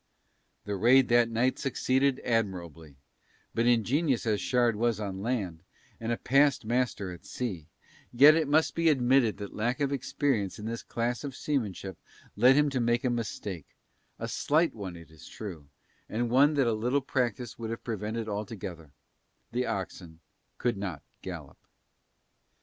The raid that night succeeded admirably, but ingenious as Shard was on land, and a past master at sea, yet it must be admitted that lack of experience in this class of seamanship led him to make a mistake, a slight one it is true, and one that a little practice would have prevented altogether: the oxen could not gallop.